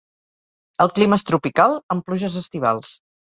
El clima és tropical, amb pluges estivals.